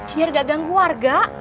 biar nggak ganggu warga